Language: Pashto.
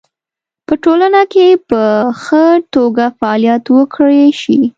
په ټولنه کې په خه توګه فعالیت وکړی شي